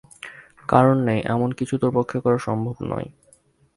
কারণ নেই, এমন কিছু তোর পক্ষে করা সম্ভব নয়।